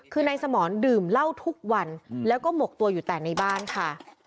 คือนายสมรดื่มเหล้าทุกวันแล้วก็หมกตัวอยู่แต่ในบ้านค่ะ